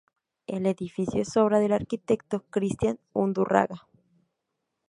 El edificio es obra del arquitecto Cristián Undurraga.